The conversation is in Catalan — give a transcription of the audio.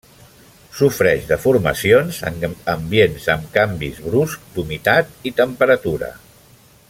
Sofreix deformacions en ambients amb canvis bruscs d'humitat i temperatura.